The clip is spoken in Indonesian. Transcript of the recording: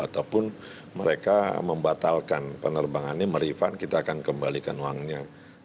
ataupun mereka membatalkan penerbangannya merefund kita akan kembalikan uangnya